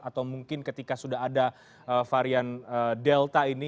atau mungkin ketika sudah ada varian delta ini